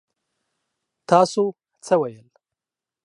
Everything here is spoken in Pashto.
تاسو څه ويل؟